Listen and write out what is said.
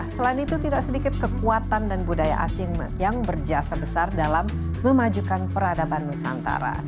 selain itu tidak sedikit kekuatan dan budaya asing yang berjasa besar dalam memajukan peradaban nusantara